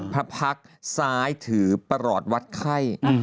พระพักษ์ซ้ายถือประหลอดวัดไข้